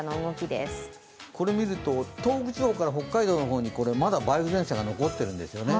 これ見ると、東北地方から北海道に梅雨前線が残っているんですよね。